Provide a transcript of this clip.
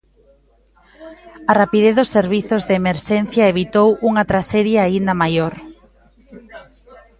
A rapidez dos servizos de emerxencia evitou unha traxedia aínda maior.